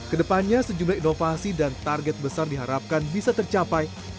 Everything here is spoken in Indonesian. kedepannya sejumlah inovasi dan target besar diharapkan bisa tercapai